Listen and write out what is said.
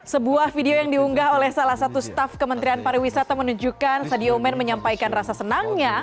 sebuah video yang diunggah oleh salah satu staf kementerian pariwisata menunjukkan sadio man menyampaikan rasa senangnya